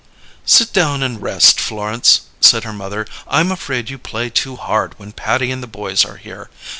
"Sit down and rest, Florence," said her mother. "I'm afraid you play too hard when Patty and the boys are here.